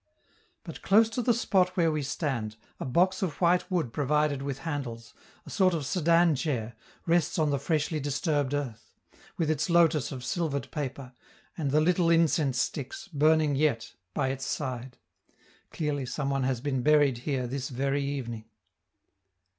But, close to the spot where we stand, a box of white wood provided with handles, a sort of sedan chair, rests on the freshly disturbed earth, with its lotus of silvered paper, and the little incense sticks, burning yet, by its side; clearly some one has been buried here this very evening.